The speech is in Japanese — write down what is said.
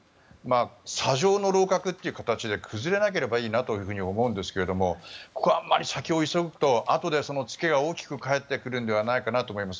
砂上の楼閣ということで崩れなければいいなと思うんですけどもここはあまり先を急ぐとあとでその付けが大きく返ってくるんじゃないかなと思います。